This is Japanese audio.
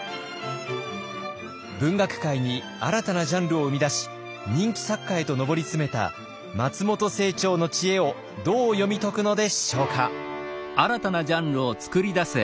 文学界に新たなジャンルを生み出し人気作家へと上り詰めた松本清張の知恵をどう読み解くのでしょうか。